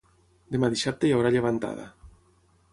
Demà dissabte hi haurà llevantada.